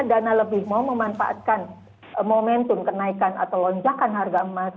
kalau anda punya dana lebih mau memanfaatkan momentum kenaikan atau lonjakan harga emas